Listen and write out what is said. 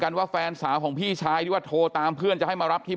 ว่าแฟนสาวของพี่ชายที่ว่าโทรตามเพื่อนจะให้มารับที่